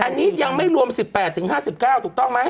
อันนี้ยังไม่รวม๑๘๕๙ถูกต้องไหม